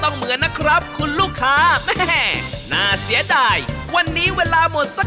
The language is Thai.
ถ้าใครมาอยู่อีกวันนี้เลยดีครับ